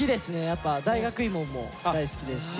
やっぱ大学芋も大好きですし。